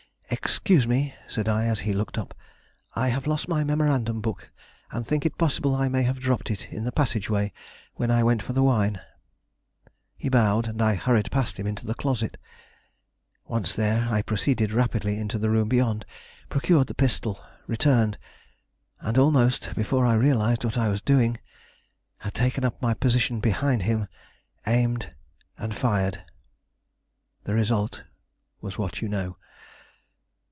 "Excuse me," said I as he looked up, "I have lost my memorandum book, and think it possible I may have dropped it in the passageway when I went for the wine." He bowed, and I hurried past him into the closet. Once there, I proceeded rapidly into the room beyond, procured the pistol, returned, and almost before I realized what I was doing, had taken up my position behind him, aimed, and fired. The result was what you know.